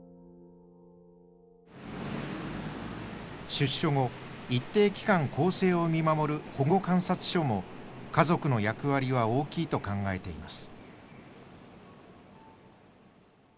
出所後一定期間更生を見守る保護観察所も家族の役割は大きいと考えています。